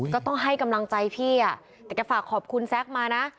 ก็ต้องให้กำลังใจพี่อ่ะแต่แกฝากขอบคุณแซคมานะ